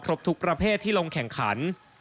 ทุกประเภทที่ลงแข่งขัน